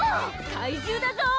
怪獣だぞー！